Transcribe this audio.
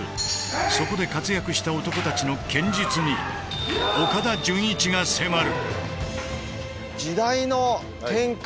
そこで活躍した男たちの剣術に岡田准一が迫る！